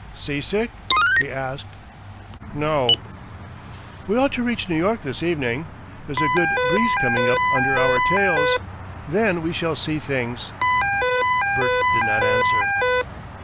"Sea sick?" he asked. "No!" "We ought to reach New York this evening. There's a good breeze coming up under our tails. Then we shall see things." Bert did not answer.